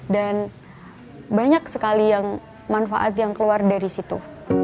dan banyak sekali manfaat yang keluar dari situ